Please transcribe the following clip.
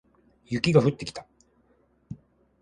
雪が降ってきた